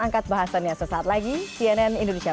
angkat bahasannya sesaat lagi cnn indonesia